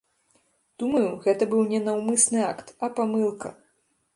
Думаю, гэта быў не наўмысны акт, а памылка.